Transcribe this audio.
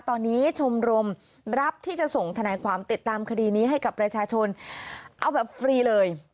ตอนนี้ชมรมรับที่จะส่งทนายความติดตามคดีนี้ให้กับประชาชนเอาแบบฟรีเลย